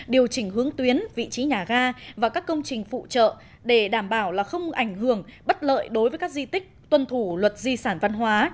điều chỉnh hướng tuyến vị trí nhà ga và các công trình phụ trợ để đảm bảo là không ảnh hưởng bất lợi đối với các di tích tuân thủ luật di sản văn hóa